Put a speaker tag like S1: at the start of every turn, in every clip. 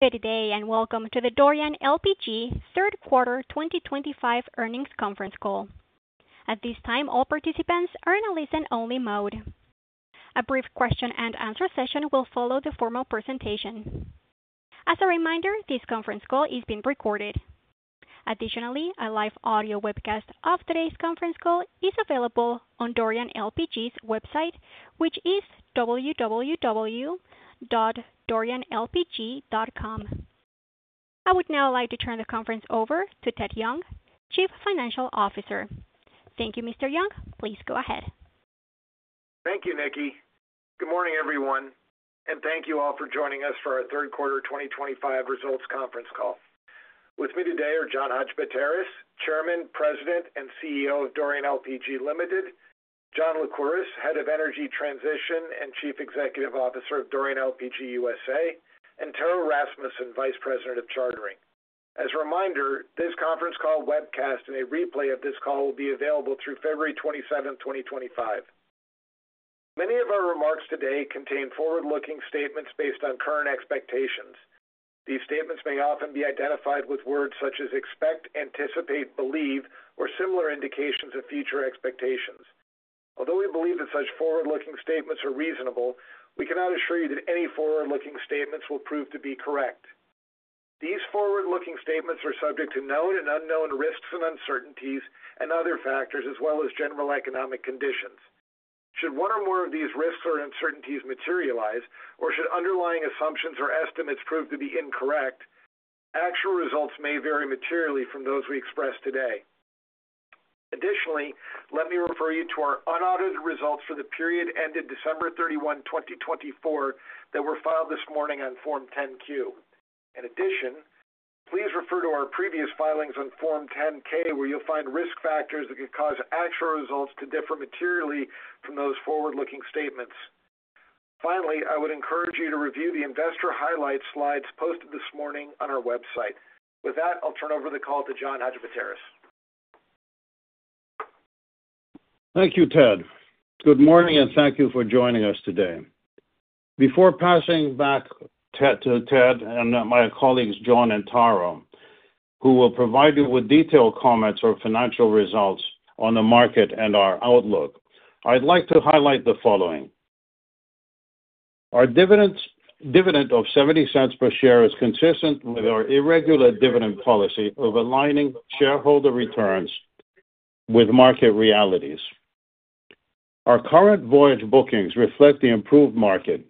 S1: Good day, and welcome to the Dorian LPG Third Quarter 2025 Earnings Conference Call. At this time, all participants are in a listen-only mode. A brief question-and-answer session will follow the formal presentation. As a reminder, this conference call is being recorded. Additionally, a live audio webcast of today's conference call is available on Dorian LPG's website, which is www.dorianlpg.com. I would now like to turn the conference over to Ted Young, Chief Financial Officer. Thank you, Mr. Young. Please go ahead.
S2: Thank you, Nikki. Good morning, everyone, and thank you all for joining us for our Third Quarter 2025 Results Conference Call. With me today are John Hadjipateras, Chairman, President, and CEO of Dorian LPG Ltd, John Lycouris, Head of Energy Transition and Chief Executive Officer of Dorian LPG USA, and Taro Rasmussen, Vice President of Chartering. As a reminder, this conference call webcast and a replay of this call will be available through February 27, 2025. Many of our remarks today contain forward-looking statements based on current expectations. These statements may often be identified with words such as expect, anticipate, believe, or similar indications of future expectations. Although we believe that such forward-looking statements are reasonable, we cannot assure you that any forward-looking statements will prove to be correct. These forward-looking statements are subject to known and unknown risks and uncertainties and other factors, as well as general economic conditions. Should one or more of these risks or uncertainties materialize, or should underlying assumptions or estimates prove to be incorrect, actual results may vary materially from those we express today. Additionally, let me refer you to our unaudited results for the period ended December 31, 2024, that were filed this morning on Form 10-Q. In addition, please refer to our previous filings on Form 10-K, where you'll find risk factors that could cause actual results to differ materially from those forward-looking statements. Finally, I would encourage you to review the investor highlights slides posted this morning on our website. With that, I'll turn over the call to John Hadjipateras.
S3: Thank you, Ted. Good morning, and thank you for joining us today. Before passing back to Ted and my colleagues, John and Taro, who will provide you with detailed comments on financial results on the market and our outlook, I'd like to highlight the following: our dividend of $0.70 per share is consistent with our irregular dividend policy of aligning shareholder returns with market realities. Our current voyage bookings reflect the improved market,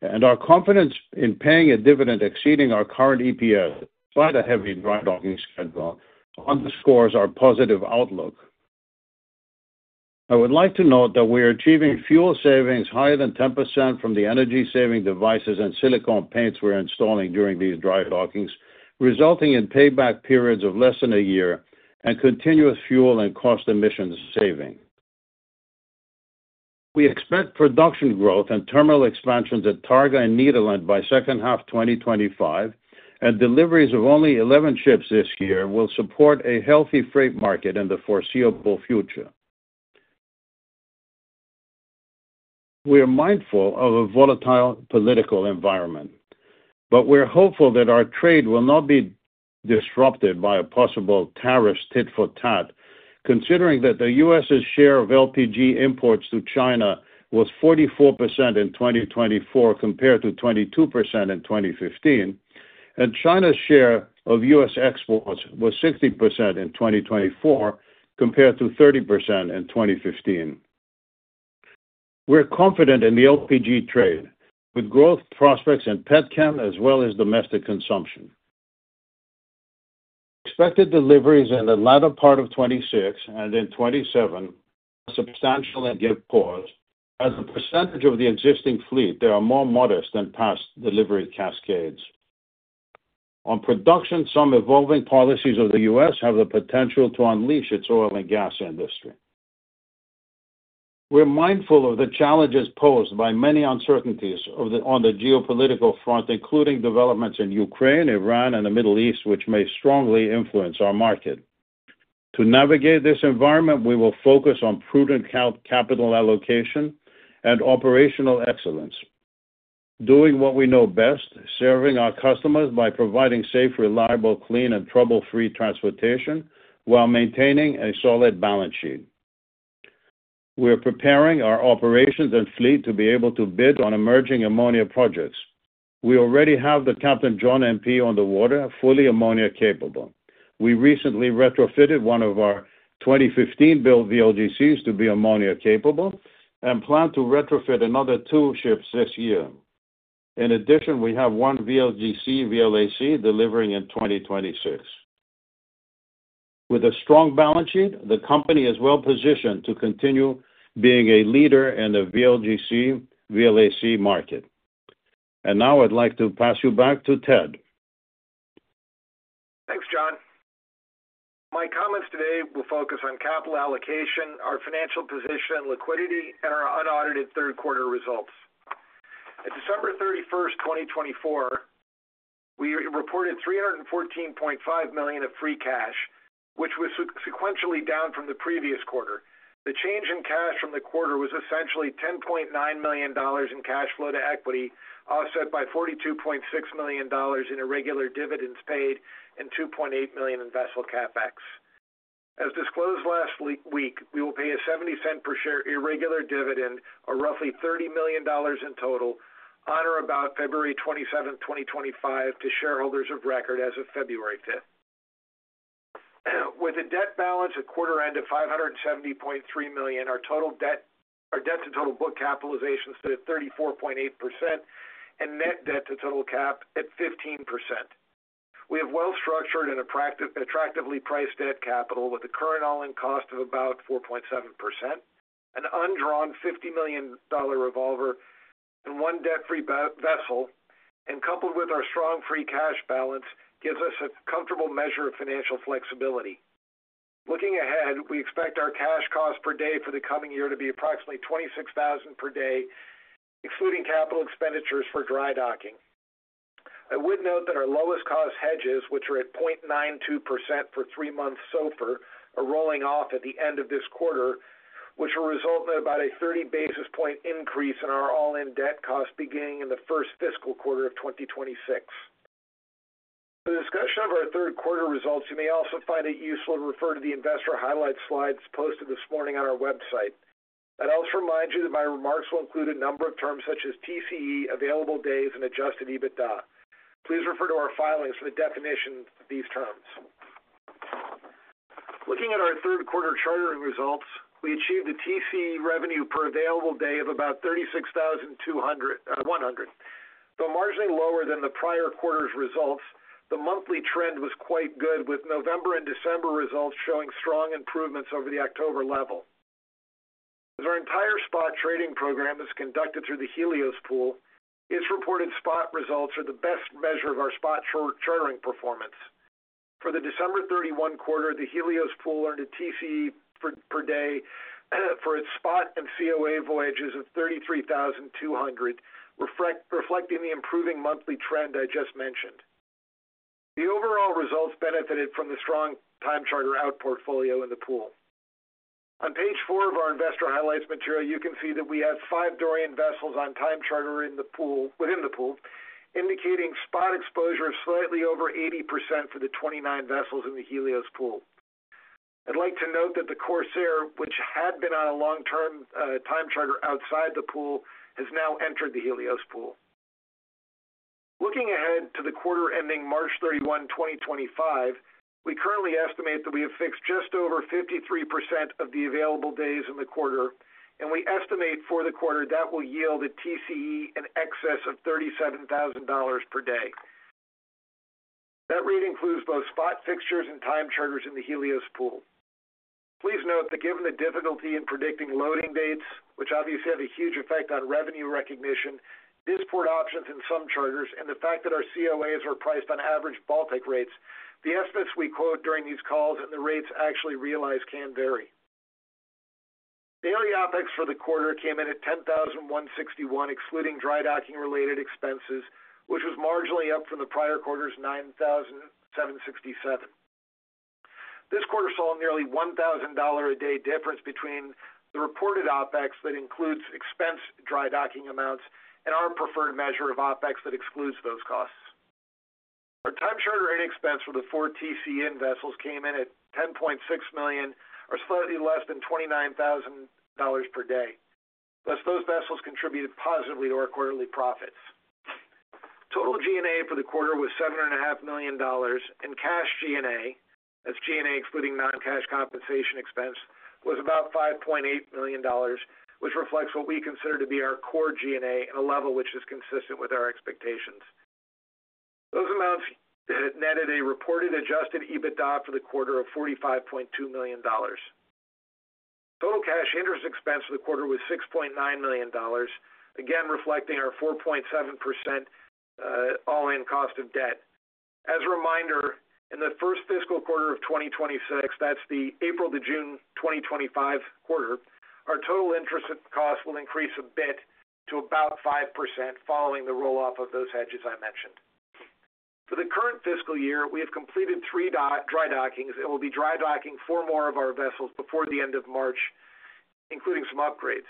S3: and our confidence in paying a dividend exceeding our current EPS, despite a heavy dry docking schedule, underscores our positive outlook. I would like to note that we are achieving fuel savings higher than 10% from the energy-saving devices and silicone paints we're installing during these dry dockings, resulting in payback periods of less than a year and continuous fuel and cost-efficient savings. We expect production growth and terminal expansions at Targa and Nederland by second half 2025, and deliveries of only 11 ships this year will support a healthy freight market in the foreseeable future. We are mindful of a volatile political environment, but we're hopeful that our trade will not be disrupted by a possible tariffs tit for tat, considering that the U.S.'s share of LPG imports to China was 44% in 2024 compared to 22% in 2015, and China's share of U.S. exports was 60% in 2024 compared to 30% in 2015. We're confident in the LPG trade, with growth prospects in petchem as well as domestic consumption. Expected deliveries in the latter part of 2026 and in 2027 are substantial and give pause, as the percentage of the existing fleet is more modest than past delivery cascades. On production, some evolving policies of the U.S. Have the potential to unleash its oil and gas industry. We're mindful of the challenges posed by many uncertainties on the geopolitical front, including developments in Ukraine, Iran, and the Middle East, which may strongly influence our market. To navigate this environment, we will focus on prudent capital allocation and operational excellence, doing what we know best: serving our customers by providing safe, reliable, clean, and trouble-free transportation while maintaining a solid balance sheet. We're preparing our operations and fleet to be able to bid on emerging ammonia projects. We already have the Captain John NP on the water, fully ammonia-capable. We recently retrofitted one of our 2015-built VLGCs to be ammonia-capable and plan to retrofit another two ships this year. In addition, we have one VLGC VLAC delivering in 2026. With a strong balance sheet, the company is well positioned to continue being a leader in the VLGC VLAC market. And now I'd like to pass you back to Ted. Thanks, John. My comments today will focus on capital allocation, our financial position, liquidity, and our unaudited third-quarter results. At December 31, 2024, we reported $314.5 million of free cash, which was sequentially down from the previous quarter. The change in cash from the quarter was essentially $10.9 million in cash flow to equity, offset by $42.6 million in irregular dividends paid and $2.8 million in vessel CapEx. As disclosed last week, we will pay a $0.70 per share irregular dividend, or roughly $30 million in total, on or about February 27, 2025, to shareholders of record as of February 5. With a debt balance at quarter-end of $570.3 million, our debt-to-total book capitalization stood at 34.8%, and net debt-to-total cap at 15%. We have well-structured and attractively priced debt capital, with a current all-in cost of about 4.7%, an undrawn $50 million revolver, and one debt-free vessel, and coupled with our strong free cash balance, gives us a comfortable measure of financial flexibility. Looking ahead, we expect our cash cost per day for the coming year to be approximately $26,000 per day, excluding capital expenditures for dry docking. I would note that our lowest-cost hedges, which are at 0.92% for three months so far, are rolling off at the end of this quarter, which will result in about a 30 basis points increase in our all-in debt cost beginning in the first fiscal quarter of 2026. For the discussion of our third-quarter results, you may also find it useful to refer to the investor highlights slides posted this morning on our website. I'd also remind you that my remarks will include a number of terms such as TCE, available days, and Adjusted EBITDA. Please refer to our filings for the definition of these terms. Looking at our third-quarter chartering results, we achieved a TCE revenue per available day of about $36,100. Though marginally lower than the prior quarter's results, the monthly trend was quite good, with November and December results showing strong improvements over the October level. As our entire spot trading program is conducted through the Helios Pool, its reported spot results are the best measure of our spot chartering performance. For the December 31 quarter, the Helios Pool earned a TCE per day for its spot and COA voyages of $33,200, reflecting the improving monthly trend I just mentioned. The overall results benefited from the strong time charter out portfolio in the pool. On page four of our investor highlights material, you can see that we have five Dorian vessels on time charter within the pool, indicating spot exposure of slightly over 80% for the 29 vessels in the Helios Pool. I'd like to note that the Corsair, which had been on a long-term time charter outside the pool, has now entered the Helios Pool. Looking ahead to the quarter ending March 31, 2025, we currently estimate that we have fixed just over 53% of the available days in the quarter, and we estimate for the quarter that will yield a TCE in excess of $37,000 per day. That rate includes both spot fixtures and time charters in the Helios Pool. Please note that given the difficulty in predicting loading dates, which obviously have a huge effect on revenue recognition, these port options in some charters, and the fact that our COAs are priced on average Baltic rates, the estimates we quote during these calls and the rates actually realized can vary. Daily OPEX for the quarter came in at $10,161, excluding dry docking-related expenses, which was marginally up from the prior quarter's $9,767. This quarter saw nearly $1,000 a day difference between the reported OPEX that includes dry docking expense amounts and our preferred measure of OPEX that excludes those costs. Our time charter income expense for the four TCE vessels came in at $10.6 million, or slightly less than $29,000 per day, thus those vessels contributed positively to our quarterly profits. Total G&A for the quarter was $7.5 million, and cash G&A, that's G&A excluding non-cash compensation expense, was about $5.8 million, which reflects what we consider to be our core G&A at a level which is consistent with our expectations. Those amounts netted a reported Adjusted EBITDA for the quarter of $45.2 million. Total cash interest expense for the quarter was $6.9 million, again reflecting our 4.7% all-in cost of debt. As a reminder, in the first fiscal quarter of 2026, that's the April to June 2025 quarter, our total interest cost will increase a bit to about 5% following the roll-off of those hedges I mentioned. For the current fiscal year, we have completed three dry dockings. It will be dry docking four more of our vessels before the end of March, including some upgrades.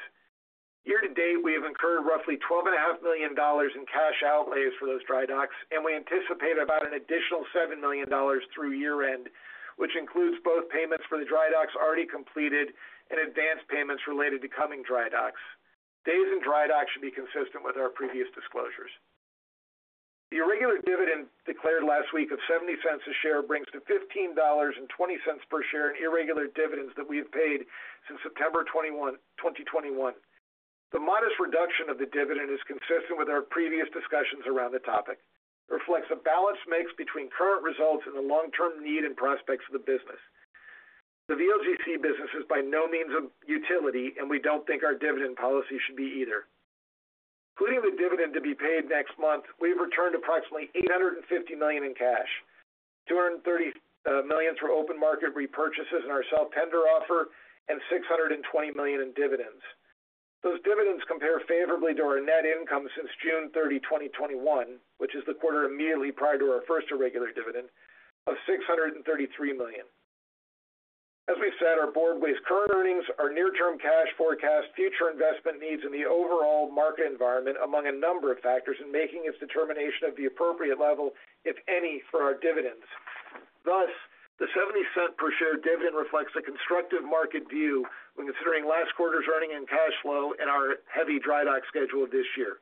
S3: Year to date, we have incurred roughly $12.5 million in cash outlays for those dry docks, and we anticipate about an additional $7 million through year-end, which includes both payments for the dry docks already completed and advanced payments related to coming dry docks. Days in dry docks should be consistent with our previous disclosures. The irregular dividend declared last week of $0.70 a share brings to $15.20 per share in irregular dividends that we have paid since September 2021. The modest reduction of the dividend is consistent with our previous discussions around the topic. It reflects a balance mix between current results and the long-term need and prospects of the business. The VLGC business is by no means of utility, and we don't think our dividend policy should be either. Including the dividend to be paid next month, we've returned approximately $850 million in cash, $230 million through open market repurchases in our self-tender offer, and $620 million in dividends. Those dividends compare favorably to our net income since June 30, 2021, which is the quarter immediately prior to our first irregular dividend, of $633 million. As we said, our board weighs current earnings, our near-term cash forecast, future investment needs, and the overall market environment among a number of factors in making its determination of the appropriate level, if any, for our dividends. Thus, the $0.70 per share dividend reflects a constructive market view when considering last quarter's earnings and cash flow and our heavy dry dock schedule this year.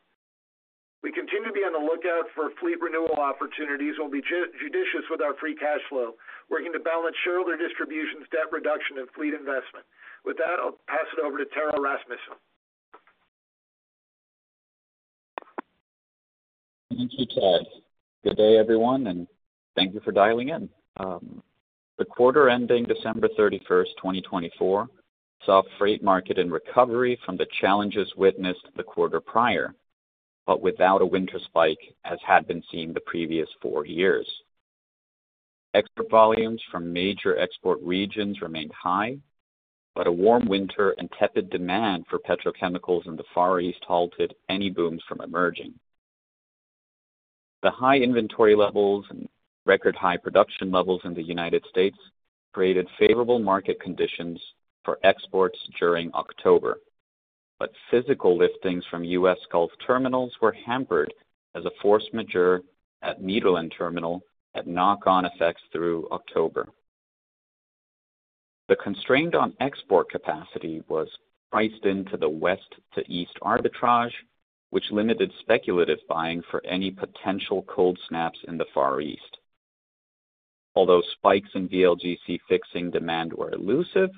S3: We continue to be on the lookout for fleet renewal opportunities and will be judicious with our free cash flow, working to balance shareholder distributions, debt reduction, and fleet investment. With that, I'll pass it over to Taro Rasmussen.
S4: Thank you, Ted. Good day, everyone, and thank you for dialing in. The quarter ending December 31, 2024 saw a freight market in recovery from the challenges witnessed the quarter prior, but without a winter spike as had been seen the previous four years. Export volumes from major export regions remained high, but a warm winter and tepid demand for petrochemicals in the Far East halted any booms from emerging. The high inventory levels and record high production levels in the United States created favorable market conditions for exports during October, but physical liftings from U.S. Gulf terminals were hampered as a force majeure at Nederland terminal had knock-on effects through October. The constraint on export capacity was priced into the west-to-east arbitrage, which limited speculative buying for any potential cold snaps in the Far East. Although spikes in VLGC fixing demand were elusive,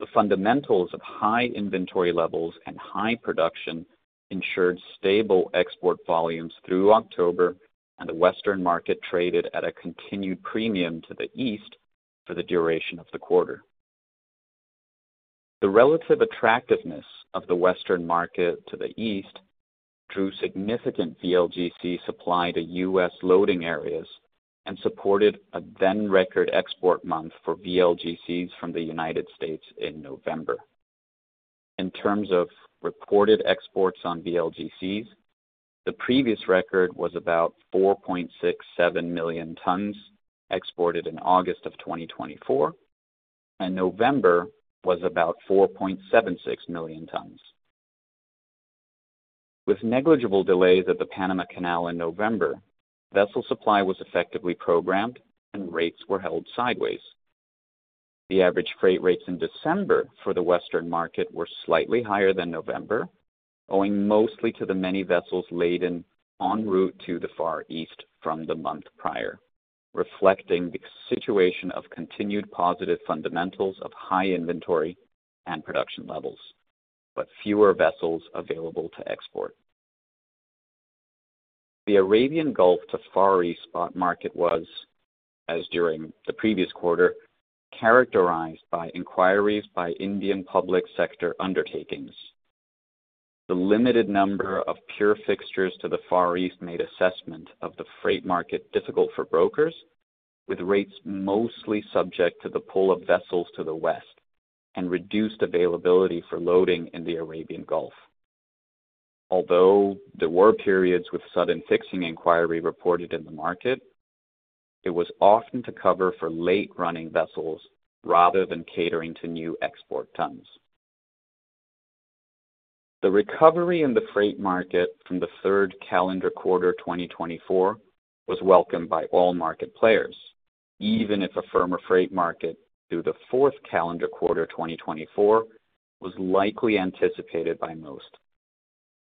S4: the fundamentals of high inventory levels and high production ensured stable export volumes through October, and the Western market traded at a continued premium to the East for the duration of the quarter. The relative attractiveness of the Western market to the East drew significant VLGC supply to U.S. loading areas and supported a then-record export month for VLGCs from the United States in November. In terms of reported exports on VLGCs, the previous record was about 4.67 million tons exported in August of 2024, and November was about 4.76 million tons. With negligible delays at the Panama Canal in November, vessel supply was effectively programmed, and rates were held sideways. The average freight rates in December for the Western market were slightly higher than November, owing mostly to the many vessels laden en route to the Far East from the month prior, reflecting the situation of continued positive fundamentals of high inventory and production levels, but fewer vessels available to export. The Arabian Gulf to Far East spot market was, as during the previous quarter, characterized by inquiries by Indian public sector undertakings. The limited number of pure fixtures to the Far East made assessment of the freight market difficult for brokers, with rates mostly subject to the pull of vessels to the west and reduced availability for loading in the Arabian Gulf. Although there were periods with sudden fixing inquiry reported in the market, it was often to cover for late-running vessels rather than catering to new export tons. The recovery in the freight market from the third calendar quarter 2024 was welcomed by all market players, even if a firmer freight market through the fourth calendar quarter 2024 was likely anticipated by most.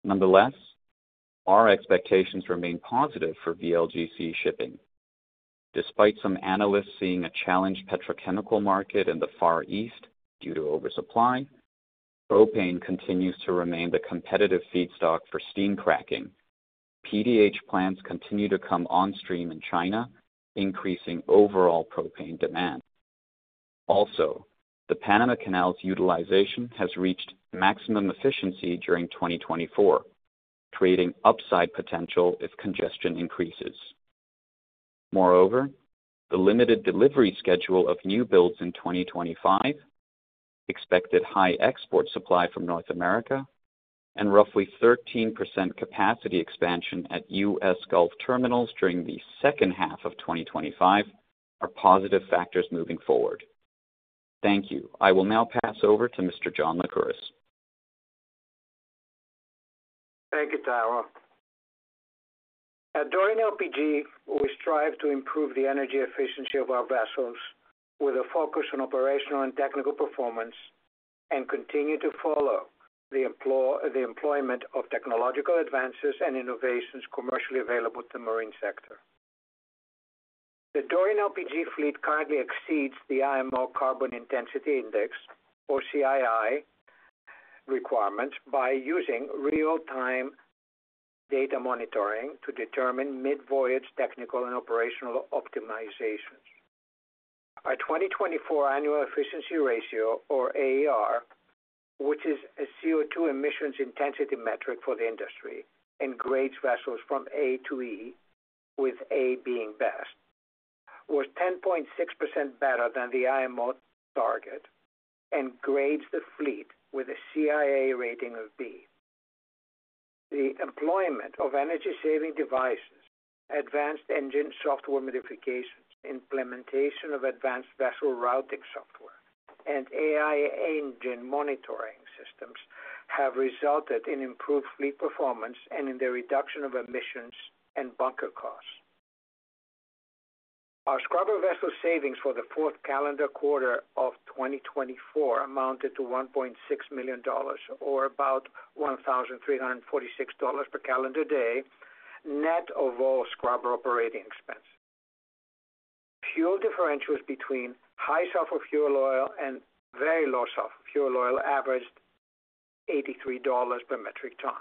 S4: Nonetheless, our expectations remain positive for VLGC shipping. Despite some analysts seeing a challenged petrochemical market in the Far East due to oversupply, propane continues to remain the competitive feedstock for steam cracking, and PDH plants continue to come on stream in China, increasing overall propane demand. Also, the Panama Canal's utilization has reached maximum efficiency during 2024, creating upside potential if congestion increases. Moreover, the limited delivery schedule of new builds in 2025, expected high export supply from North America, and roughly 13% capacity expansion at U.S. Gulf terminals during the second half of 2025 are positive factors moving forward. Thank you. I will now pass over to Mr. John Lycouris.
S5: Thank you, Taro. At Dorian LPG, we strive to improve the energy efficiency of our vessels with a focus on operational and technical performance and continue to follow the employment of technological advances and innovations commercially available to the marine sector. The Dorian LPG fleet currently exceeds the IMO Carbon Intensity Indicator, or CII, requirements by using real-time data monitoring to determine mid-voyage technical and operational optimizations. Our 2024 annual efficiency ratio, or AER, which is a CO2 emissions intensity metric for the industry and grades vessels from A to E, with A being best, was 10.6% better than the IMO target and grades the fleet with a CII rating of B. The employment of energy-saving devices, advanced engine software modifications, implementation of advanced vessel routing software, and AI engine monitoring systems have resulted in improved fleet performance and in the reduction of emissions and bunker costs. Our scrubber vessel savings for the fourth calendar quarter of 2024 amounted to $1.6 million, or about $1,346 per calendar day, net of all scrubber operating expenses. Fuel differentials between high sulfur fuel oil and very low sulfur fuel oil averaged $83 per metric ton,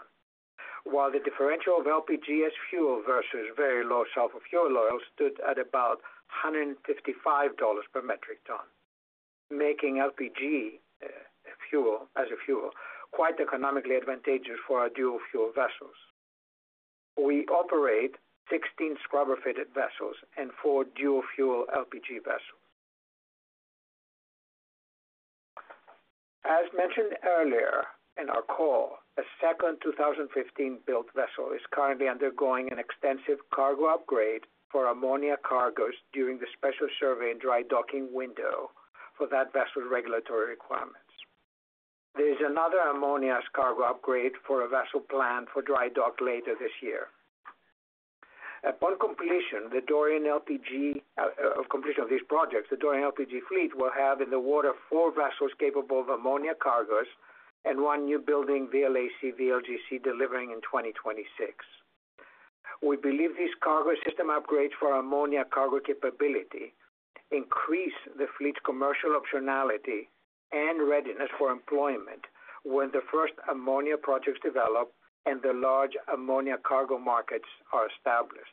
S5: while the differential of LPG fuel versus very low sulfur fuel oil stood at about $155 per metric ton, making LPG fuel as a fuel quite economically advantageous for our dual-fuel vessels. We operate 16 scrubber-fitted vessels and four dual-fuel LPG vessels. As mentioned earlier in our call, a second 2015-built vessel is currently undergoing an extensive cargo upgrade for ammonia cargoes during the special survey and dry docking window for that vessel's regulatory requirements. There is another ammonia cargo upgrade for a vessel planned for dry dock later this year. Upon completion of these projects, the Dorian LPG fleet will have in the water four vessels capable of ammonia cargoes and one new-building VLAC VLGC delivering in 2026. We believe these cargo system upgrades for ammonia cargo capability increase the fleet's commercial optionality and readiness for employment when the first ammonia projects develop and the large ammonia cargo markets are established.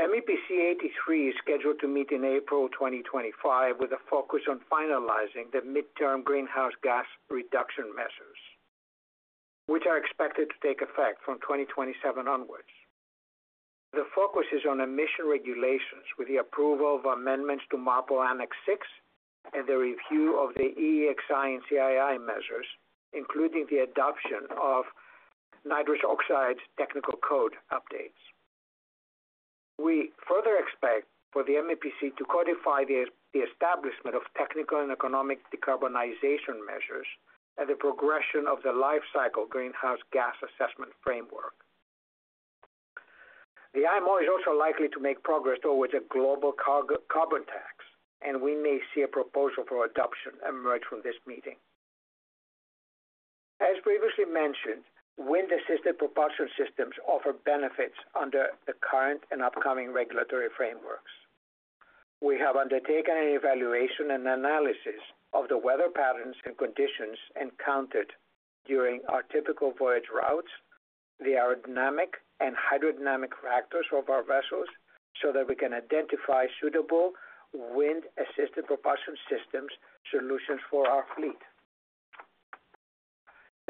S5: MEPC 83 is scheduled to meet in April 2025 with a focus on finalizing the midterm greenhouse gas reduction measures, which are expected to take effect from 2027 onwards. The focus is on emission regulations with the approval of amendments to MARPOL Annex VI and the review of the EEXI and CII measures, including the adoption of nitrous oxide technical code updates. We further expect for the MEPC to codify the establishment of technical and economic decarbonization measures and the progression of the lifecycle greenhouse gas assessment framework. The IMO is also likely to make progress towards a global carbon tax, and we may see a proposal for adoption emerge from this meeting. As previously mentioned, wind-assisted propulsion systems offer benefits under the current and upcoming regulatory frameworks. We have undertaken an evaluation and analysis of the weather patterns and conditions encountered during our typical voyage routes, the aerodynamic and hydrodynamic factors of our vessels, so that we can identify suitable wind-assisted propulsion systems solutions for our fleet.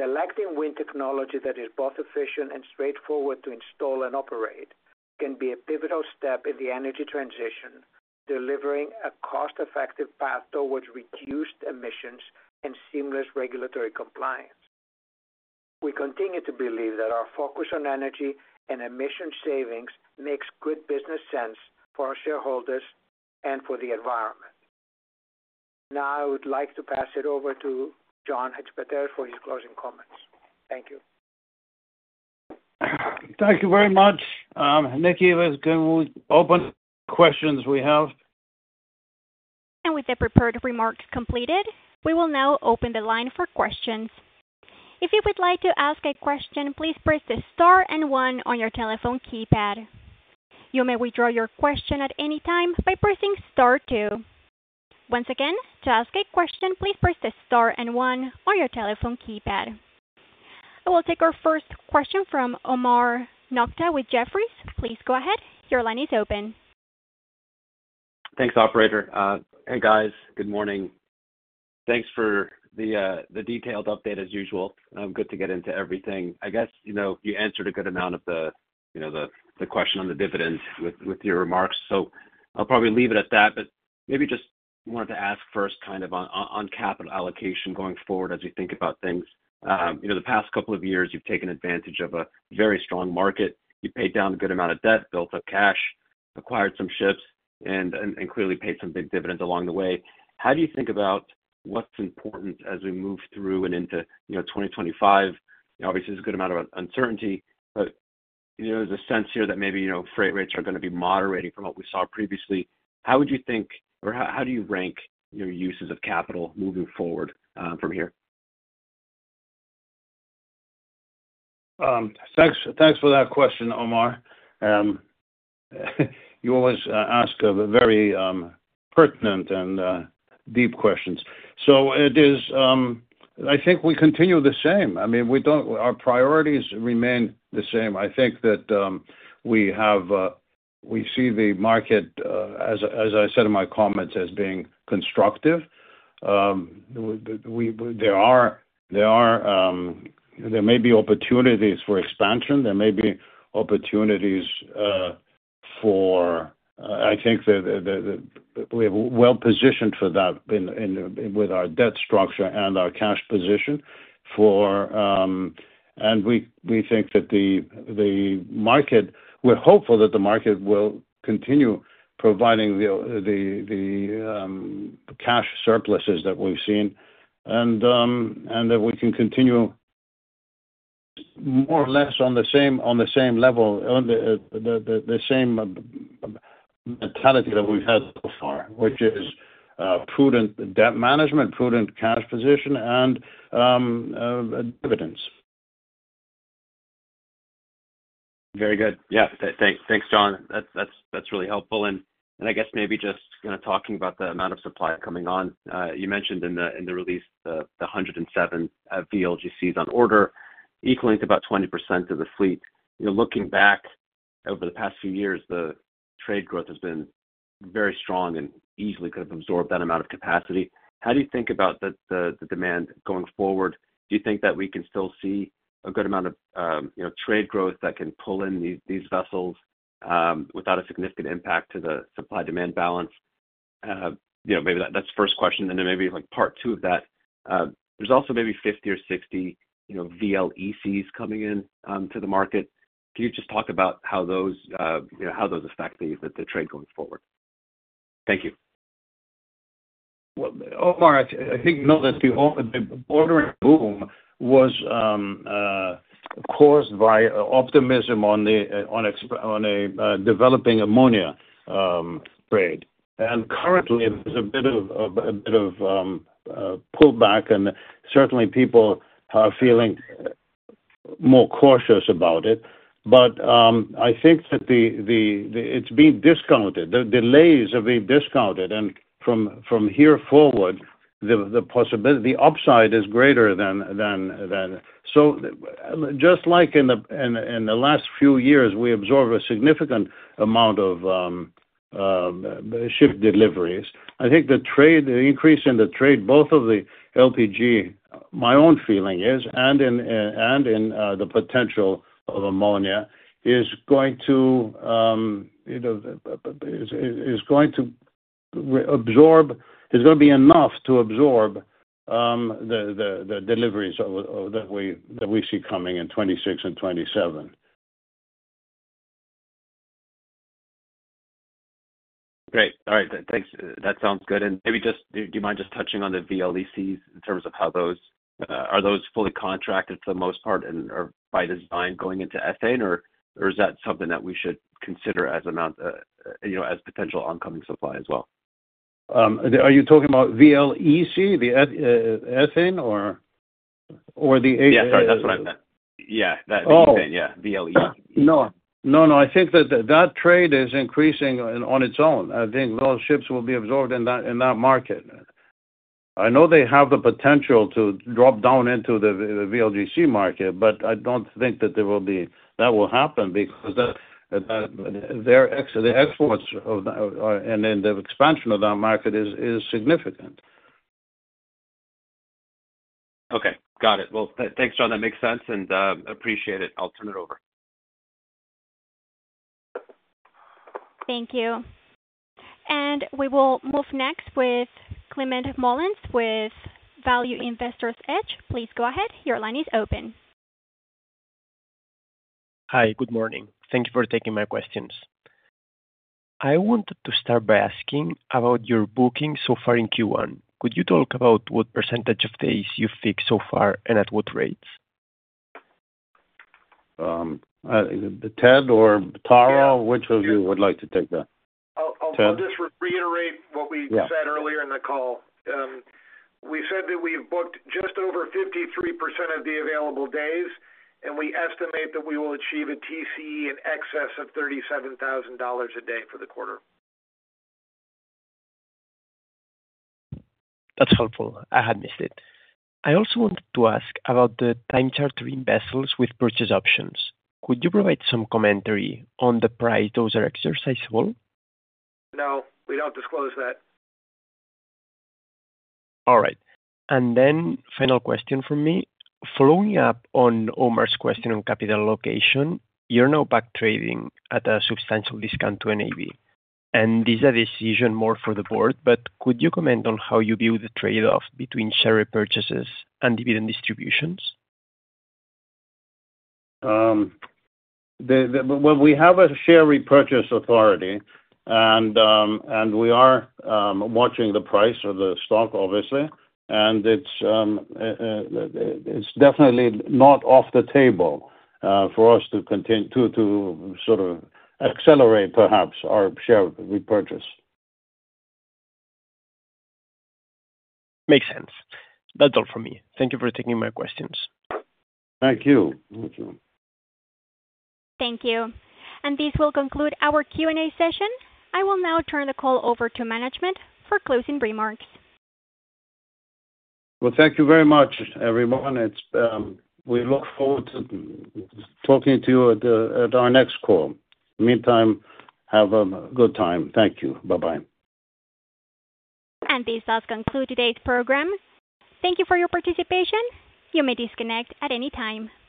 S5: Selecting wind technology that is both efficient and straightforward to install and operate can be a pivotal step in the energy transition, delivering a cost-effective path towards reduced emissions and seamless regulatory compliance. We continue to believe that our focus on energy and emission savings makes good business sense for our shareholders and for the environment. Now, I would like to pass it over to John Hadjipateras for his closing comments. Thank you.
S3: Thank you very much. John Lycouris, can we open the questions we have?
S1: With the prepared remarks completed, we will now open the line for questions. If you would like to ask a question, please press the star and one on your telephone keypad. You may withdraw your question at any time by pressing star two. Once again, to ask a question, please press the star and one on your telephone keypad. I will take our first question from Omar Nokta with Jefferies. Please go ahead. Your line is open.
S6: Thanks, Operator. Hey, guys. Good morning. Thanks for the detailed update as usual. I'm good to get into everything. I guess you answered a good amount of the question on the dividends with your remarks, so I'll probably leave it at that but maybe just wanted to ask first kind of on capital allocation going forward as we think about things. The past couple of years, you've taken advantage of a very strong market. You paid down a good amount of debt, built up cash, acquired some ships, and clearly paid some big dividends along the way. How do you think about what's important as we move through and into 2025? Obviously, there's a good amount of uncertainty, but there's a sense here that maybe freight rates are going to be moderating from what we saw previously. How would you think, or how do you rank your uses of capital moving forward from here?
S3: Thanks for that question, Omar. You always ask very pertinent and deep questions. So I think we continue the same. I mean, our priorities remain the same. I think that we see the market, as I said in my comments, as being constructive. There may be opportunities for expansion. There may be opportunities for, I think that we're well positioned for that with our debt structure and our cash position. And we think that the market, we're hopeful that the market will continue providing the cash surpluses that we've seen and that we can continue more or less on the same level, the same mentality that we've had so far, which is prudent debt management, prudent cash position, and dividends.
S6: Very good. Yeah. Thanks, John. That's really helpful. And I guess maybe just kind of talking about the amount of supply coming on. You mentioned in the release the 107 VLGCs on order, equaling to about 20% of the fleet. Looking back over the past few years, the trade growth has been very strong and easily could have absorbed that amount of capacity. How do you think about the demand going forward? Do you think that we can still see a good amount of trade growth that can pull in these vessels without a significant impact to the supply-demand balance? Maybe that's the first question, and then maybe part two of that. There's also maybe 50 or 60 VLECs coming into the market. Can you just talk about how those affect the trade going forward? Thank you.
S3: Well, Omar, I think the ordering boom was caused by optimism on a developing ammonia trade. Currently, there's a bit of pullback, and certainly people are feeling more cautious about it. I think that it's being discounted. The delays are being discounted. From here forward, the upside is greater than. Just like in the last few years, we absorbed a significant amount of ship deliveries. I think the increase in the trade both of the LPG, my own feeling is, and in the potential of ammonia is going to absorb, is going to be enough to absorb the deliveries that we see coming in 2026 and 2027.
S6: Great. All right. Thanks. That sounds good, and maybe just do you mind just touching on the VLECs in terms of how those, are those fully contracted for the most part and are by design going into ethane, or is that something that we should consider as potential oncoming supply as well?
S3: Are you talking about VLEC or the ethane?
S6: Yeah. Sorry. That's what I meant. Yeah. That ethane. Yeah. VLEC.
S3: No. No, no. I think that trade is increasing on its own. I think those ships will be absorbed in that market. I know they have the potential to drop down into the VLGC market, but I don't think that will happen because the exports and the expansion of that market is significant.
S6: Okay. Got it. Well, thanks, John. That makes sense, and appreciate it. I'll turn it over.
S1: Thank you. And we will move next with Climent Molins with Value Investors Edge. Please go ahead. Your line is open.
S7: Hi. Good morning. Thank you for taking my questions. I wanted to start by asking about your booking so far in Q1. Could you talk about what percentage of days you've fixed so far and at what rates?
S3: Ted or Taro, which of you would like to take that?
S4: I'll just reiterate what we said earlier in the call. We said that we've booked just over 53% of the available days, and we estimate that we will achieve a TCE in excess of $37,000 a day for the quarter.
S7: That's helpful. I had missed it. I also wanted to ask about the time charter two new vessels with purchase options. Could you provide some commentary on the price those are exercisable?
S4: No. We don't disclose that.
S7: All right. And then final question from me. Following up on Omar's question on capital allocation, you're now back trading at a substantial discount to NAV. And this is a decision more for the board, but could you comment on how you view the trade-off between share repurchases and dividend distributions?
S3: We have a share repurchase authority, and we are watching the price of the stock, obviously, and it's definitely not off the table for us to sort of accelerate, perhaps, our share repurchase.
S7: Makes sense. That's all from me. Thank you for taking my questions.
S3: Thank you.
S1: Thank you. And this will conclude our Q&A session. I will now turn the call over to management for closing remarks.
S3: Thank you very much, everyone. We look forward to talking to you at our next call. In the meantime, have a good time. Thank you. Bye-bye.
S1: And this does conclude today's program. Thank you for your participation. You may disconnect at any time.